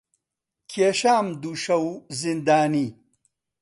کێشام دوو شەو زیندانی